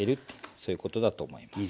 そういうことだと思います。